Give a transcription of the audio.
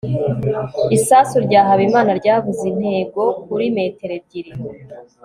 isasu rya habimana ryabuze intego kuri metero ebyiri